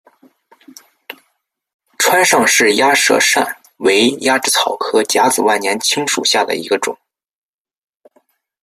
川上氏鸭舌疝为鸭跖草科假紫万年青属下的一个种。